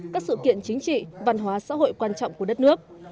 các sự kiện chính trị văn hóa xã hội quan trọng của đất nước